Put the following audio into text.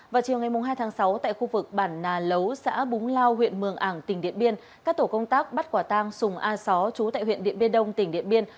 vào chiều ngày hai tháng sáu tại khu vực bản nà lấu xã búng lao huyện mường ảng tỉnh điện biên các tổ công tác bắt quả tang sùng a só chú tại huyện điện biên đông tỉnh điện biên